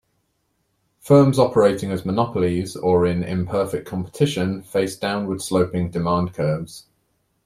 Firms operating as monopolies or in imperfect competition face downward-sloping demand curves.